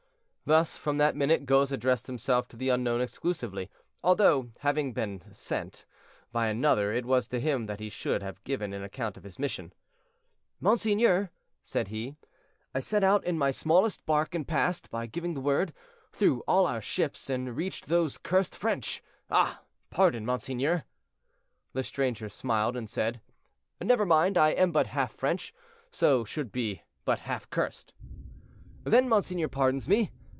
Thus from that minute Goes addressed himself to the unknown exclusively; although, having been sent by another, it was to him that he should have given an account of his mission. "Monseigneur," said he, "I set out in my smallest bark and passed, by giving the word, through all our ships, and reached those cursed French. Ah! pardon, monseigneur." The stranger smiled and said, "Never mind, I am but half French, so should be but half cursed." "Then monseigneur pardons me?"